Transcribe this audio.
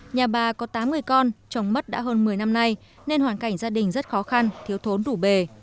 nhà bà có tám người con chồng mất đã hơn một mươi năm nay nên hoàn cảnh gia đình rất khó khăn thiếu thốn đủ bề